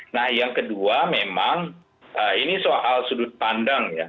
nah yang kedua memang ini soal sudut pandang ya